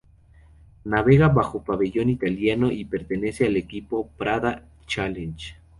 Navega bajo pabellón italiano y pertenece al equipo Prada Challenge.